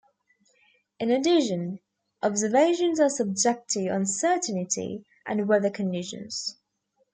In addition, observations are subject to uncertainty and weather conditions.